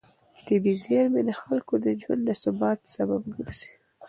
طبیعي زېرمې د خلکو د ژوند د ثبات سبب ګرځي.